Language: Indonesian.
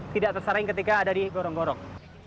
tidak tersaring ketika ada di gorong gorong